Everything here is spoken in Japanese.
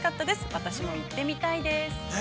私も行ってみたいです。